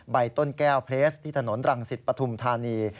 ใบต้นแก้วเพลสที่ถนนรังสิตปฐุมธานี